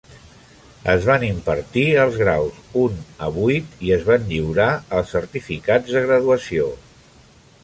Es van impartir els graus un a vuit i es van lliurar els certificats de graduació.